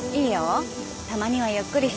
たまにはゆっくりしておいでよ。